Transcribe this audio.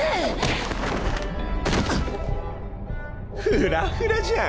フラッフラじゃん。